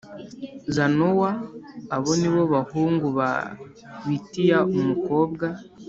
Zanowa Abo ni bo bahungu ba Bitiya umukobwa